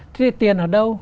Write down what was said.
thế thì tiền ở đâu